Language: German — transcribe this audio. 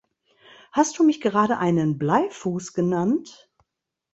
Hast du mich gerade einen Bleifuß genannt?